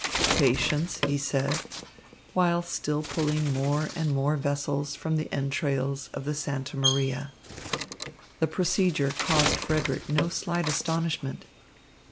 "Patience," he said, while still pulling more and more vessels from the entrails of the Santa Maria. The procedure caused Frederick no slight astonishment.